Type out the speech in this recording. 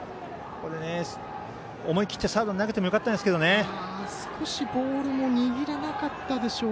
思い切ってサードに投げてもよかったんですが。